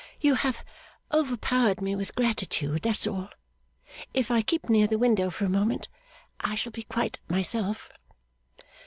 'You have overpowered me with gratitude, that's all. If I keep near the window for a moment I shall be quite myself.